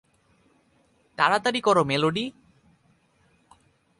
তাড়াতাড়ি কর, মেলোডি।